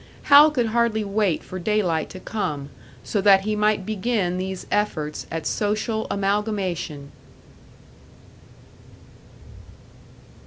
Hal could hardly wait for daylight to come, so that he might begin these efforts at social amalgamation!